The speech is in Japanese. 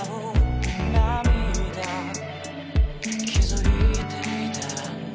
「気づいていたんだ